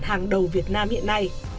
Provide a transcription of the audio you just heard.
hàng đầu việt nam hiện nay